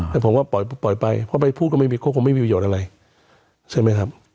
แต่ผมความว่าปล่อยไปเพราะไปพูดเขาเขาคงไม่มีประโยชน์อะไรใช่ไหมครับ